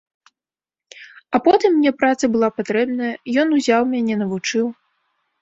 А потым мне праца была патрэбная, ён узяў мяне, навучыў.